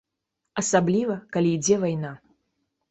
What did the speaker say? Асабліва, калі ідзе вайна.